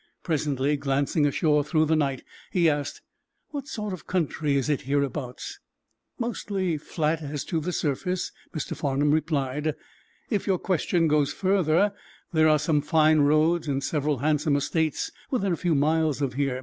Presently, glancing ashore through the night, he asked: "What sort of country is it hereabouts?" "Mostly flat, as to the surface," Mr. Farnum replied. "If your question goes further, there are some fine roads and several handsome estates within a few miles of here.